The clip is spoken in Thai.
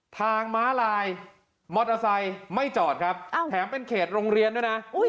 ม้าลายมอเตอร์ไซค์ไม่จอดครับแถมเป็นเขตโรงเรียนด้วยนะ